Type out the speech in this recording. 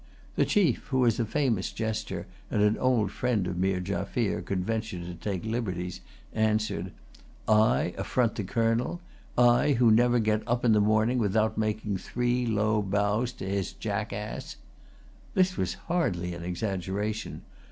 The chief, who, as a famous jester and an old friend of Meer Jaffier, could venture to take liberties, answered, "I affront the Colonel! I, who never get up in the morning without making three low bows to his jackass!" This was hardly an exaggeration.